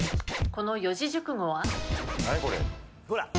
この四字熟語は？